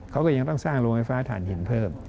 เขาก็ยังต้องสร้างโรงไฟฟ้าฐานหินเพิ่ม